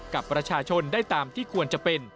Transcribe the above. กับประชาชนได้ตามที่ควรจะเป็น